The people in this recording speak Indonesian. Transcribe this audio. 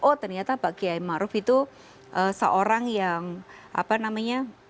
oh ternyata pak kiai maruf itu seorang yang apa namanya